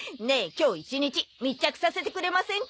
今日一日密着させてくれませんか？